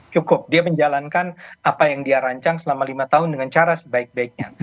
cukup dia menjalankan apa yang dia rancang selama lima tahun dengan cara sebaik baiknya